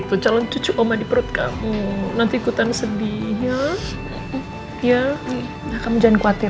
itu calon cucu omba di perut kamu nanti ikutan sedih ya nah kamu jangan khawatir